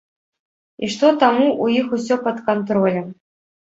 І што таму ў іх усё пад кантролем.